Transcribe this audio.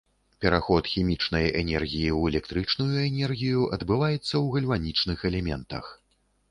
Пераход хімічнай энергіі ў электрычную энергію адбываецца ў гальванічных элементах.